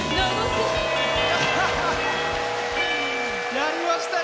鳴りましたよ。